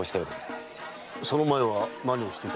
その前は何をしていたのだ？